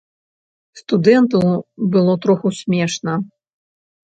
Студэнту было троху смешна.